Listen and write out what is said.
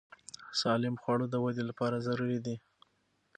سالم خواړه د وده لپاره ضروري دي.